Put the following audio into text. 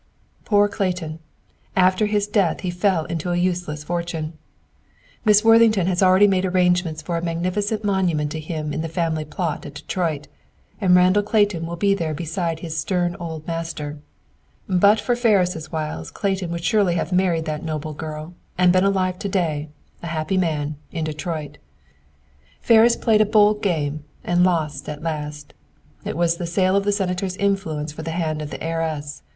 "Poor Clayton! After his death he fell into a useless fortune! Miss Worthington has already made arrangements for a magnificent monument to him in the family plot at Detroit, and Randall Clayton will be there beside his stern old master. But for Ferris' wiles Clayton would surely have married that noble girl, and been alive to day, a happy man, in Detroit. "Ferris played a bold game and lost at last. It was the sale of the Senator's influence for the hand of the heiress.